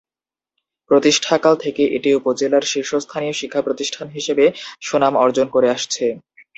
প্রতিষ্ঠাকাল থেকে এটি উপজেলার শীর্ষস্থানীয় শিক্ষা প্রতিষ্ঠান হিসেবে সুনাম অর্জন করে আসছে।